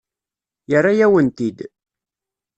Yerra-yawen-t-id.